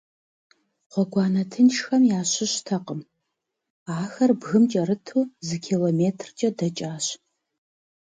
Гъуэгуанэр тыншхэм ящыщтэкъым - ахэр бгым кӏэрыту зы километркӏэ дэкӏащ.